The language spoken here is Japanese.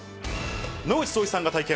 野口聡一さんが体験。